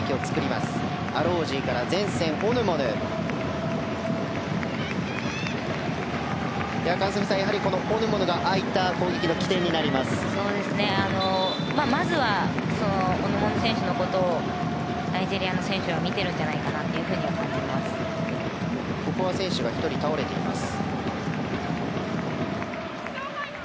まずはオヌモヌ選手のことをナイジェリアの選手は見ているんじゃないかなとここは選手が１人倒れています。